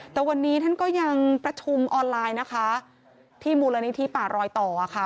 แต่วันนี้ท่านก็ยังประชุมออนไลน์นะคะที่มูลนิธิป่ารอยต่อค่ะ